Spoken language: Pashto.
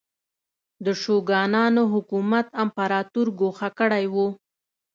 د شوګانانو حکومت امپراتور ګوښه کړی و.